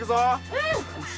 うん。